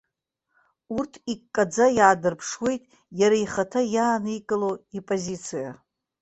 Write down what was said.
Урҭ иккаӡа иаадырԥшуеит иара ихаҭа иааникыло ипозициа.